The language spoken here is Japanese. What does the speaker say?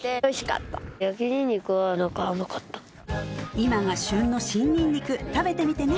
今が旬の新にんにく食べてみてね